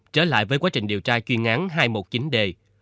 trở lại với quá trình điều tra chuyên án hai trăm một mươi chín d